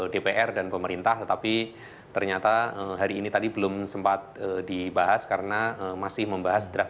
dpr dan pemerintah tetapi ternyata hari ini tadi belum sempat dibahas karena masih membahas draft